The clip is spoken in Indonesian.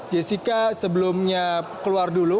jessica sebelumnya keluar dulu